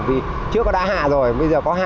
vì trước nó đã hạ rồi bây giờ có hạ